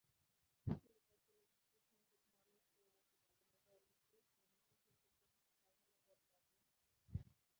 সিলেট অঞ্চলের বিপুলসংখ্যক মানুষ প্রবাসী, তাঁদের মধ্যে অনেকেই স্বদেশে শিল্পকারখানা গড়তে আগ্রহী।